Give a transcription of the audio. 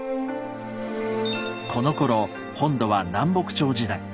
このころ本土は南北朝時代。